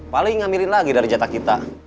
paling ngambilin lagi dari jatah kita